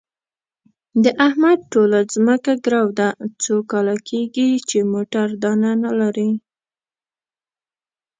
د احمد ټوله ځمکه ګرو ده، څو کاله کېږي چې موټی دانه نه لري.